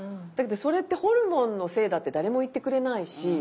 だけどそれってホルモンのせいだって誰も言ってくれないし。